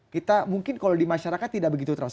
kita mungkin kalau di masyarakat tidak begitu terasa